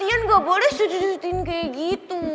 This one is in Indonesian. iyan gak boleh susut susutin kayak gitu